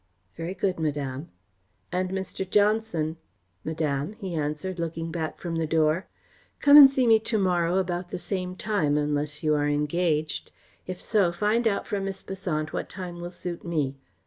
"Very good, Madame." "And Mr. Johnson!" "Madame," he answered, looking back from the door. "Come and see me to morrow about the same time, unless you are engaged. If so, find out from Miss Besant what time will suit me.